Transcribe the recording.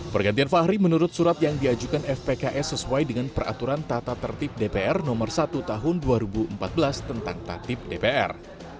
pergantian fahri menurut surat yang diajukan fpks sesuai dengan peraturan tata tertib dpr nomor satu tahun dua ribu empat belas tentang tatip dpr